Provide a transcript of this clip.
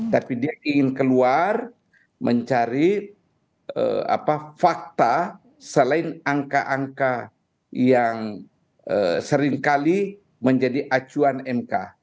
tapi dia ingin keluar mencari fakta selain angka angka yang seringkali menjadi acuan mk